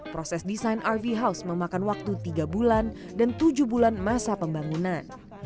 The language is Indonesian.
proses desain rv house memakan waktu tiga bulan dan tujuh bulan masa pembangunan